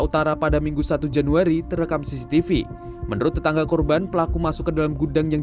utara pada minggu satu januari terekam cctv menurut tetangga korban pelaku masuk ke dalam gudang yang